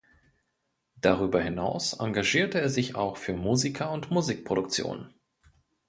Darüber hinaus engagierte er sich auch für Musiker und Musikproduktionen.